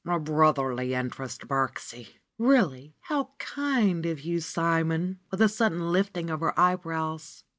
"A brotherly interest, Birksie." "Really ! How kind of you, Simon !" with a sudden lifting of her eyebrows.